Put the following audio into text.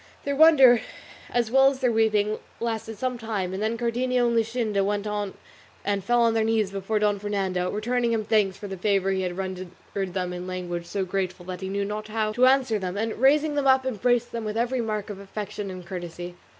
Their wonder as well as their weeping lasted some time, and then Cardenio and Luscinda went and fell on their knees before Don Fernando, returning him thanks for the favour he had rendered them in language so grateful that he knew not how to answer them, and raising them up embraced them with every mark of affection and courtesy.